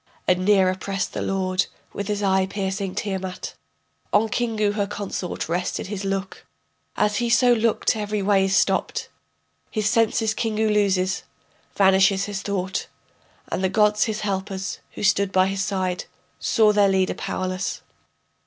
And nearer pressed the lord, with his eye piercing Tiamat. On Kingu her consort rested his look. As he so looked, every way is stopped. His senses Kingu loses, vanishes his thought, And the gods, his helpers, who stood by his side Saw their leader powerless....